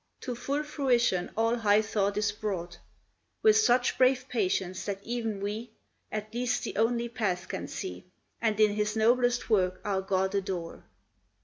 To full fruition all high thought is brought, With such brave patience that ev'n we At least the only path can see, And in his noblest work our God adore.